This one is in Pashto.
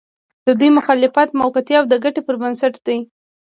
د دوی مخالفت موقعتي او د ګټې پر بنسټ دی.